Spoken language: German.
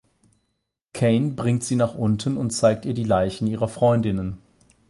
Cain bringt sie nach unten und zeigt ihr die Leichen ihrer Freundinnen.